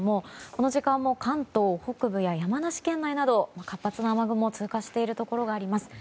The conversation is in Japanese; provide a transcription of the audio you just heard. この時間も関東北部や山梨県内など活発な雨雲が通過しているところがあります。